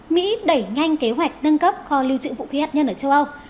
mỹ đẩy nhanh kế hoạch nâng cấp kho lưu trữ vũ khí hạt nhân ở châu âu